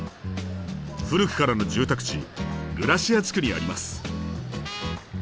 古くからの住宅地グラシア地区にあります。